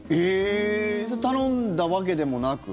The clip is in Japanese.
それ頼んだわけでもなく？